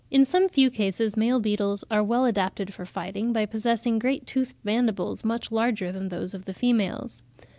In some few cases male beetles are well adapted for fighting, by possessing great toothed mandibles, much larger than those of the females.